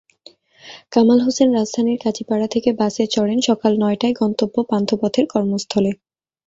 কামাল হোসেন রাজধানীর কাজীপাড়া থেকে বাসে চড়েন সকাল নয়টায়, গন্তব্য পান্থপথের কর্মস্থলে।